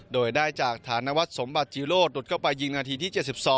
โดยได้จากฐานวัฒนสมบัติจีโรธหลุดเข้าไปยิงนาทีที่๗๒